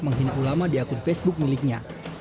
menghina ulama di akun facebook miliknya